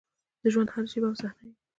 د ژونـد هـره شـيبه او صحـنه يـې